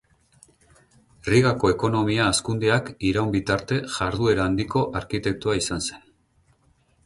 Rigako ekonomia hazkundeak iraun bitarte jarduera handiko arkitektoa izan zen.